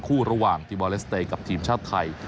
คู่ระหว่างทีมวอเลสเตย์กับทีมชาติไทย